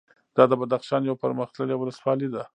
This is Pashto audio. دا د بدخشان یوه پرمختللې ولسوالي ده